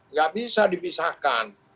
nggak bisa dipisahkan